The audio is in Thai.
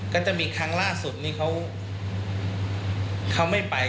ก็จะมีครั้งล่าสุดนี้เขาไม่ไป